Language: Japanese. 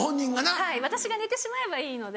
はい私が寝てしまえばいいので。